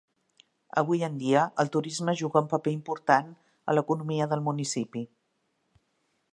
Avui en dia el turisme juga un paper important a l'economia del municipi.